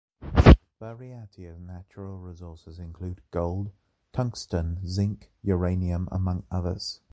Buryatia’s natural resources include gold, tungsten, zinc, uranium among others.